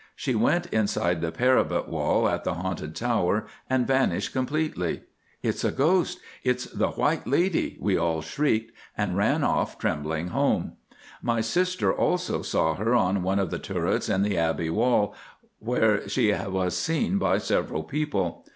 She went inside the parapet wall at the Haunted Tower and vanished completely. 'It's a ghost; it's the White Lady,' we all shrieked, and ran off trembling home. My sister also saw her on one of the turrets in the Abbey wall, where she was seen by several people.